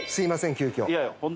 急きょ。